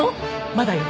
まだよ。